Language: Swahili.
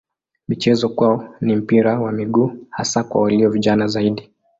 Michezo kwao ni mpira wa miguu hasa kwa walio vijana zaidi.